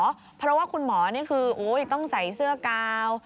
เพราะว่าคุณหมอนี่คือต้องใส่เสื้อกาว